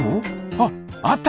あっあった！